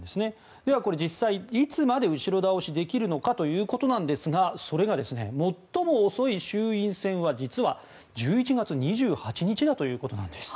ではこれ、実際いつまで後ろ倒しできるかということなんですがそれが、最も遅い衆院選は実は１１月２８日だということなんです。